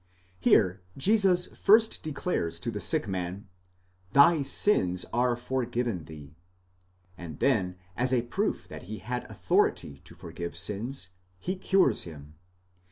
Here Jesus first declares to the sick man : ἀφέωνταί σοί ai ἁμαρτίαι σου, thy sins are forgiven thee, and then as a proof that he had authority to forgive sins, he cures him.